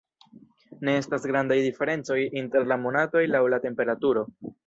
Ne estas grandaj diferencoj inter la monatoj laŭ la temperaturo.